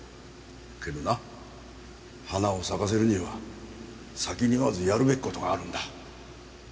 けどな花を咲かせるには先にまずやるべき事があるんだ。